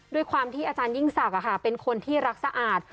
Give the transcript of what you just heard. ด้วยความที่อาจารยิ่งศักดิ์เป็นคนที่รักสะอาด